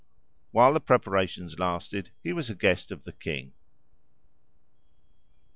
While the preparations lasted, he was a guest of the king.